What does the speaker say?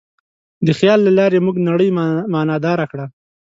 د خیال له لارې موږ نړۍ معنیداره کړه.